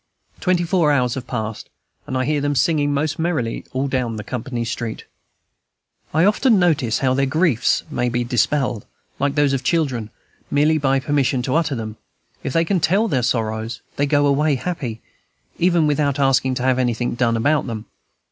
Twenty four hours have passed, and I hear them singing most merrily all down that company street. I often notice how their griefs may be dispelled, like those of children, merely by permission to utter them: if they can tell their sorrows, they go away happy, even without asking to have anything done about them.